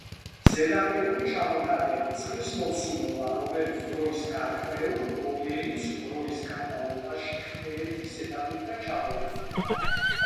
ზედაპირული ჩამონადენი- წყლის მოცულობა, რომელიც დროის გარკვეულ რომელიც დროის განმავლობში ხმელეთის ზედაპირიდან ჩამოედინება